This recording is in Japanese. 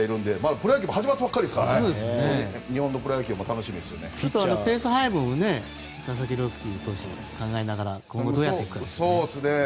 プロ野球も始まったばかりなのでペース配分佐々木朗希投手は考えながら今後、どうやって行くか。